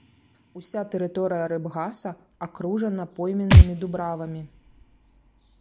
Уся тэрыторыя рыбгаса акружана пойменнымі дубравамі.